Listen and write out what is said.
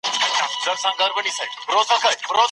د بریا خوند یوازي با استعداده کسانو ته نه سي ورکول کېدلای.